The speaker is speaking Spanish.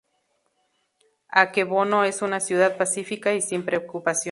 Akebono es una ciudad pacífica y sin preocupaciones.